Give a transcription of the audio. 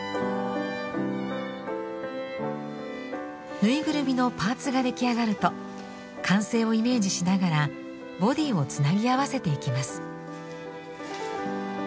ぬいぐるみのパーツが出来上がると完成をイメージしながらボディーをつなぎ合わせていきます。